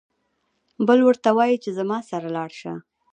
بل ورته وايي چې زما سره لاړ شه.